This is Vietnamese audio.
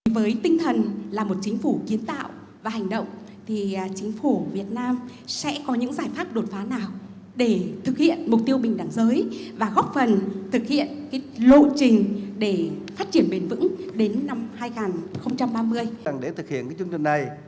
với tinh thần là một chính phủ kiến tạo và hành động thì chính phủ việt nam sẽ có những giải pháp đột phá nào để thực hiện mục tiêu bình đẳng giới và góp phần thực hiện lộ trình để phát triển bền vững đến năm hai nghìn ba mươi